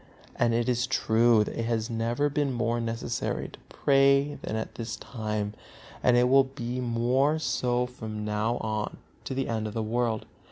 And it is true that it has never been more necessary to pray than at this time, and it will be more so from now on to the end of the world.